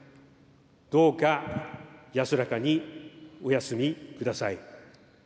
どうか安らかにお休みください。